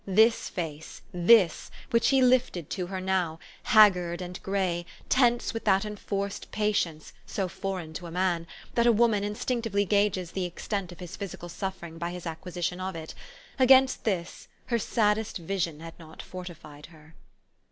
This face, this, which he lifted to her now, haggard and gray, tense with that enforced patience, so foreign to a man, that a woman instinctively gauges the extent of his phy sical suffering by his acquisition of it, against this, her saddest vision had not fortified her.